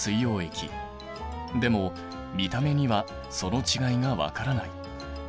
でも見た目にはその違いが分からない。